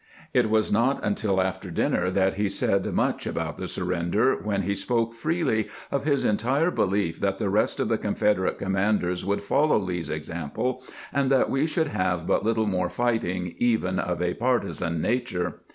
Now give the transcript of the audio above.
It was not until after supper that he said much about the surrender, when he spoke freely of his entire belief that the rest of the Confederate commanders would follow Lee's example, and that we should have but little more fighting, even of a parti zan nature.